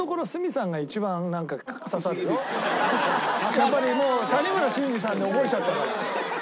やっぱりもう谷村新司さんで覚えちゃったから。